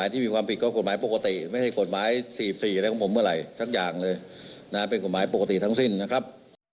ทีนี้มาดูเรื่องของประเด็นของกกตกันหน่อยนะครับ